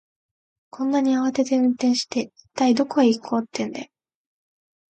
そんなに慌てて運転して、一体どこへ行こうってんだよ。